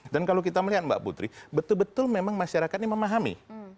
dan kalau kita melihat mbak putri betul betul memang masyarakat ini memahami